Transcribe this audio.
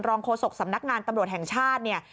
รองโคศกสำนักงานตำรวจแห่งชาติ